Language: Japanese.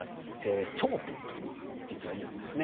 頂点と実はいうんですね。